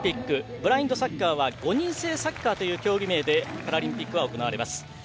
ブラインドサッカーは５人制サッカーという競技名でパラリンピックは行われます。